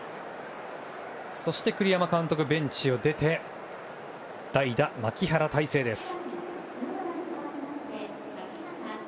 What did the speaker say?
そして栗山監督、ベンチを出て代打、牧原大成です。